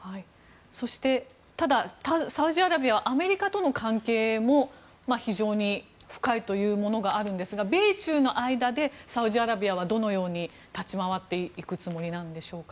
そしてただ、サウジアラビアはアメリカとの関係も非常に深いというものがあるんですが米中の間でサウジアラビアはどのように立ち回っていくつもりなんでしょうか。